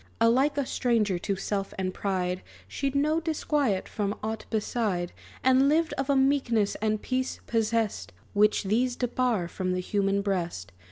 Alike a stranger to self and pride, She'd no disquiet from aught beside; And lived of a meekness and peace possest Which these debar from the human breast.